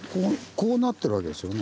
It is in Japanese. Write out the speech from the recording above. こうなってるわけですよね。